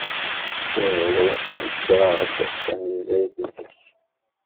Iḍelli, nekreɣ-d tanezzayt zik.